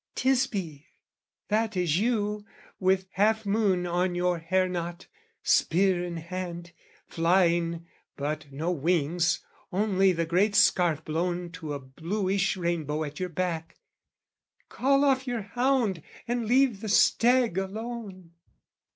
"Tisbe, that is you, "With half moon on your hair knot, spear in hand, "Flying, but no wings, only the great scarf "Blown to a bluish rainbow at your back: "Call off your hound and leave the stag alone!"